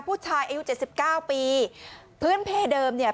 ผู้ชายอายุเจ็ดสิบเก้าปีพื้นเพเดิมเนี่ย